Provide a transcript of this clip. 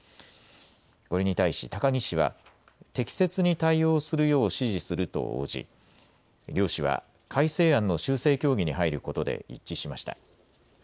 これに対し高木氏は適切に対応するよう指示すると応じ両氏は改正案の修正協議に入ることで一致しました。